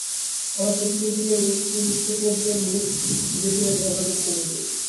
আবার শেষ তিন থেকে থেকে মিনিটে ধীরে ধীরে ব্যায়ামের গতি কমিয়ে দিন।